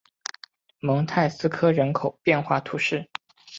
蒙泰斯科人口变化图示